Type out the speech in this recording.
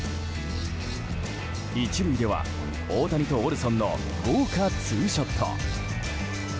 １塁では大谷とオルソンの豪華ツーショット。